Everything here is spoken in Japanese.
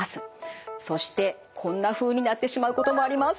そしてこんなふうになってしまうこともあります。